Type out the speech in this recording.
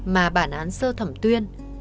mà bản án sơ thẩm tuyên